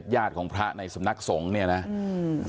ญาติของพระในสำนักสงฆ์เนี่ยนะอืม